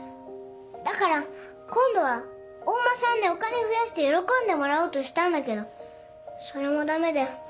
だから今度はお馬さんでお金増やして喜んでもらおうとしたんだけどそれもダメで。